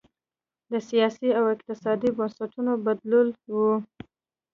د سیاسي او اقتصادي بنسټونو بدلول و.